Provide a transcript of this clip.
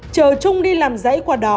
chờ chung đi làm dãy qua đó